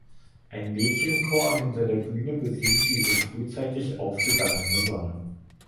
Ein Mädchenchor hinter der Bühne besingt die so frühzeitig aufgegangene Sonne.